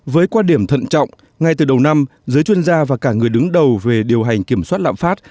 với quan điểm thận trọng ngay từ đầu năm giới chuyên gia và cả người đứng đầu về điều hành kiểm soát lạm phát